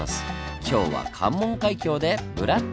今日は関門海峡で「ブラタモリ」！